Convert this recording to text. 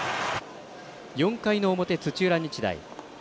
４回の表、土浦日大。